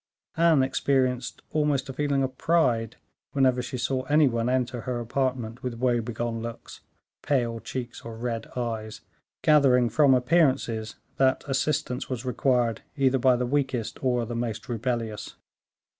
Anne experienced almost a feeling of pride whenever she saw any one enter her apartment with woe begone looks, pale cheeks, or red eyes, gathering from appearances that assistance was required either by the weakest or the most rebellious.